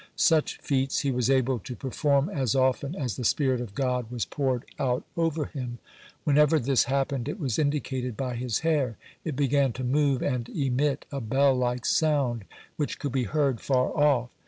Such feats he was able to perform as often as the spirit of God was poured out over him. Whenever this happened, it was indicated by his hair. In began to move and emit a bell like sound, which could be heard far off.